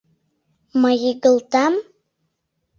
Мый игылтам?